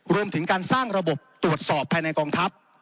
รวมถึงการสร้างระบบตรวจสอบภายในกองทัพ